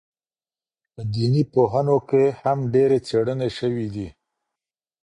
په دیني پوهنو کي هم ډېرې څېړني سوي دي.